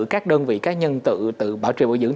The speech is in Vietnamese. các đơn vị cá nhân tự tự bảo trì bảo dưỡng